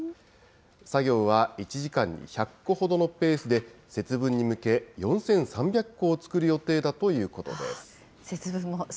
作業は１時間に１００個ほどのペースで、節分に向け、４３００個を作る予定だということです。